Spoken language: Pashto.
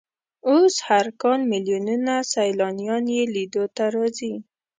اوس هر کال ملیونونه سیلانیان یې لیدو ته راځي.